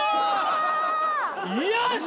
よし！